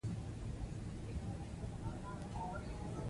که کار ونکړي، ستونزې به یې نه ختمیږي.